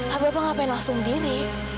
tapi bapak ngapain langsung diri